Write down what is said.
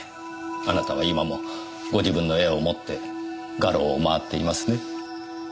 あなたは今もご自分の絵を持って画廊を回っていますね。